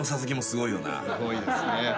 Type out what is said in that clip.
すごいですね。